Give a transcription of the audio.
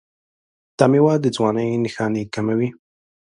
دا میوه د ځوانۍ نښانې کموي.